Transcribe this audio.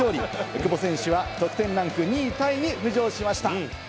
久保選手は得点ランク２位タイに浮上しました。